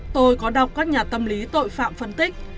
tôi có đọc các nhà tâm lý tội phạm phân tích